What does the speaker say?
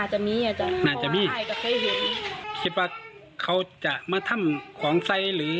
จะยานเขาเหตุของใส